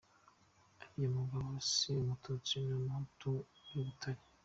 Uliya mugabo si umututsi ni umuhutu w’i Butare.